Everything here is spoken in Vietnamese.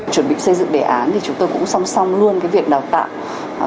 chuẩn bị xây dựng đề án thì chúng tôi cũng song song luôn cái việc đào tạo